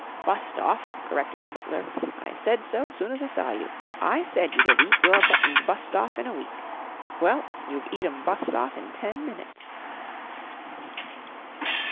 "Bust off," corrected the butler. "I said so soon as I saw you. I said you'd 'ave eat your buttons bust off in a week. Well, you've eat 'em bust off in ten minutes."